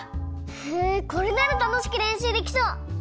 へえこれならたのしくれんしゅうできそう！